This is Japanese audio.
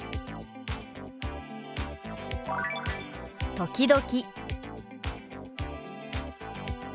「時々」。